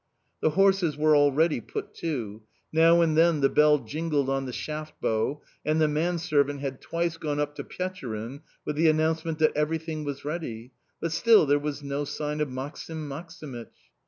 The horses were already put to; now and then the bell jingled on the shaft bow; and the manservant had twice gone up to Pechorin with the announcement that everything was ready, but still there was no sign of Maksim Maksimych.